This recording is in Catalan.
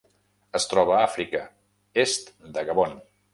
Es troba a Àfrica: est de Gabon.